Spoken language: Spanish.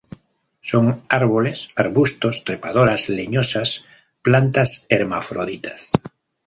Son árboles, arbustos, trepadoras leñosas; plantas hermafroditas.